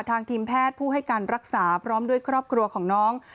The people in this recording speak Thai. ทีมแพทย์ผู้ให้การรักษาพร้อมด้วยครอบครัวของน้อง